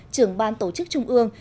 trưởng ban tổ chức trung ương